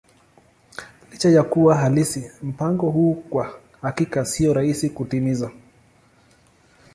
Licha ya kuwa halisi, mpango huu kwa hakika sio rahisi kutimiza.